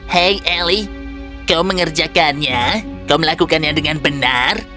hei eli kau mengerjakannya kau melakukannya dengan benar